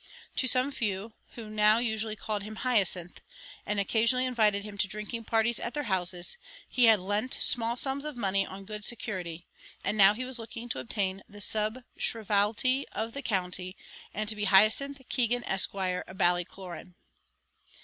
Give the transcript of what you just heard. To some few, who now usually called him "Hyacinth," and occasionally invited him to drinking parties at their houses, he had lent small sums of money on good security; and now he was looking to obtain the sub shrievalty of the county, and to be Hyacinth Keegan, Esq., of Ballycloran.